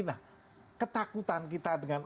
nah ketakutan kita dengan